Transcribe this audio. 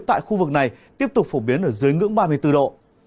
tại khu vực này tiếp tục phổ biến ở dưới ngưỡng ba mươi bốn độ